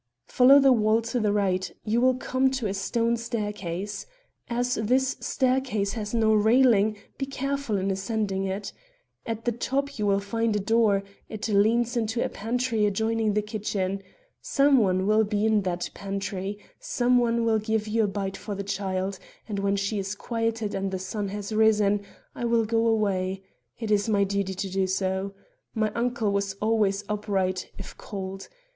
"Follow the wall to the right; you will come to a stone staircase. As this staircase has no railing, be careful in ascending it. At the top you will find a door; it leads into a pantry adjoining the kitchen. Some one will be in that pantry. Some one will give you a bite for the child; and when she is quieted and the sun has risen, I will go away. It is my duty to do so. My uncle was always upright, if cold.